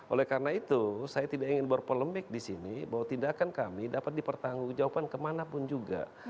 oleh karena itu saya tidak ingin berpolemik di sini bahwa tindakan kami dapat dipertanggung jawaban kemanapun juga